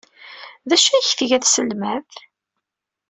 D acu ay ak-tga tselmadt?